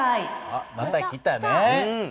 あっまた来たね。